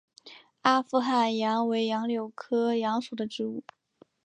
阿富汗杨为杨柳科杨属的植物。